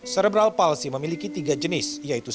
serebral palsi memiliki tiga jenis yaitu spastik diskinetik dan atakan